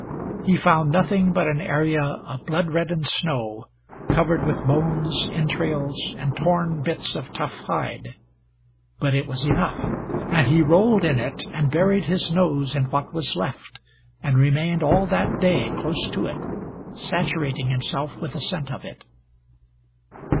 He found nothing but an area of blood reddened snow, covered with bones, entrails and torn bits of tough hide. But it was enough, and he rolled in it, and buried his nose in what was left, and remained all that day close to it, saturating himself with the scent of it.